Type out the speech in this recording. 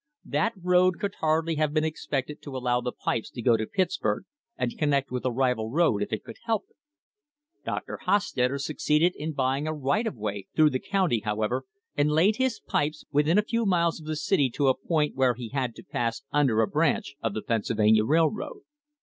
That road could hardly have been expected to allow the pipes to go to Pittsburg and connect with a rival road if it could help it. Dr. Hostetter succeeded in buying a right of way through the county, however, and laid his pipes within a few miles of the city to a point where he had to pass under a branch of the Pennsylvania Railroad.